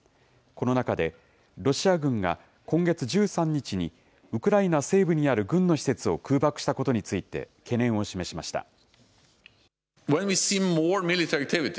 この中で、ロシア軍が今月１３日にウクライナ西部にある軍の施設を空爆したことについて懸念を示しました。